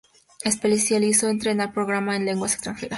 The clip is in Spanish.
Especializó Entrenar Programa en lenguas extranjeras.